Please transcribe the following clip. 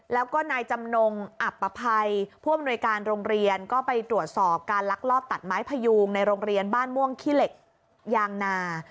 แล้วก็นายจำนงอับประภัยผู้อำนวยการโรงเรียนก็ไปตรวจสอบการลักลอบตัดไม้พยูงในโรงเรียนบ้านม่วงขี้เหล็กยางนา